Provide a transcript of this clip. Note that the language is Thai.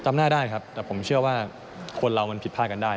จำหน้าได้ครับแต่ผมเชื่อว่าคนเรามันผิดพลาดกันได้